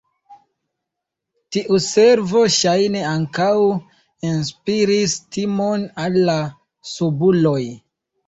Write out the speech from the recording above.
Tiu servo ŝajne ankaŭ inspiris timon al la subuloj.